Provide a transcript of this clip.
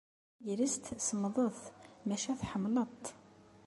Tagrest semmḍet, maca tḥemmleḍ-tt.